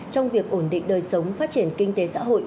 trong việc ổn định đời sống phát triển kinh tế xã hội